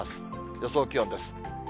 予想気温です。